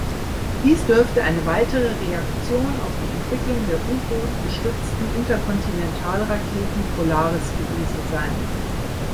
Dies dürfte eine weitere Reaktion auf die Entwicklung der U-Boot-gestützten Interkontinentalraketen Polaris gewesen sein.